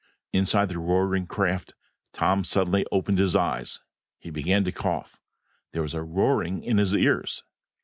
Inside the roaring craft, Tom suddenly opened his eyes. He began to cough. There was a roaring in his ears.